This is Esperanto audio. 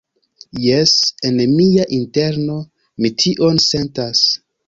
Jes, en mia interno mi tion sentas.